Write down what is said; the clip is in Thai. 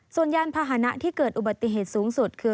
ส่วนยานพาหนะที่เกิดอุบัติเหตุสูงสุดคือ